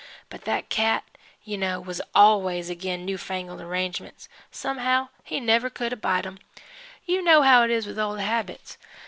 But that cat, you know, was always agin new fangled arrangements somehow he never could abide 'em. You know how it is with old habits.